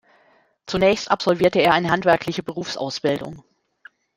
Zunächst absolvierte er eine handwerkliche Berufsausbildung.